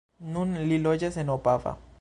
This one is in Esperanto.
Nun li loĝas en Opava.